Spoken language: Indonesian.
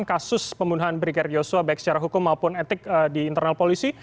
kasus pembunuhan brigadir yosua baik secara hukum maupun etik di internal polisi